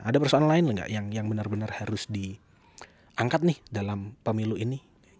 ada persoalan lain nggak yang benar benar harus diangkat nih dalam pemilu ini